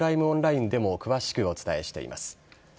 オンラインでも詳しくお伝えしています。